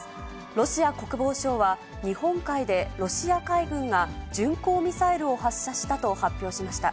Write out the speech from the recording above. ロシア国防省は、日本海でロシア海軍が巡航ミサイルを発射したと発表しました。